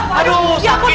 mau ditaruhnya salah kabur